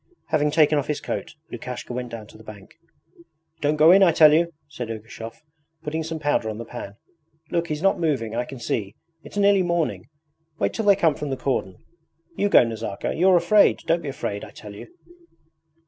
Having taken off his coat, Lukashka went down to the bank. 'Don't go in, I tell you!' said Ergushov, putting some powder on the pan. 'Look, he's not moving. I can see. It's nearly morning; wait till they come from the cordon. You go, Nazarka. You're afraid! Don't be afraid, I tell you.'